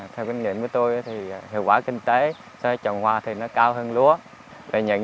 theo kinh nghiệm với tôi hiệu quả kinh tế trồng hoa thì nó cao hơn lúa